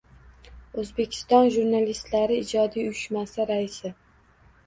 O‘zbekiston Jurnalistlari ijodiy uyushmasi raisi